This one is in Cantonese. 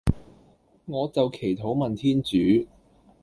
我就祈禱問天主